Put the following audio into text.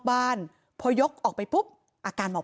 หมาก็เห่าตลอดคืนเลยเหมือนมีผีจริง